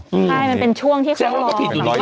ใช่เป็นที่พิษอยู่ในพี่